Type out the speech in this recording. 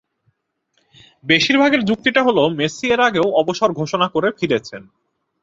বেশির ভাগের যুক্তিটা হলো, মেসি এর আগেও অবসর ঘোষণা করে ফিরেছেন।